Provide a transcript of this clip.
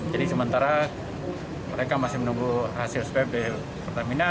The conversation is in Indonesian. jadi sementara mereka masih menunggu hasil swab di pertamina